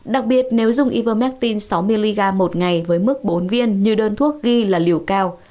đặc biệt nếu dùng ivermedine sáu mg một ngày với mức bốn viên như đơn thuốc ghi là liều cao